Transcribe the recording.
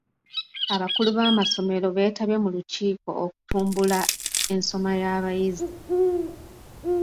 Abakulu b'amasomero beetabye mu lukiiko okutumbula ensoma y'abayizi.